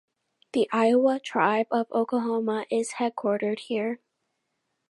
The Iowa Tribe of Oklahoma is headquartered here.